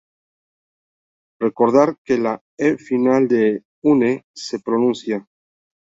Recordar que la -e final de "une" se pronuncia.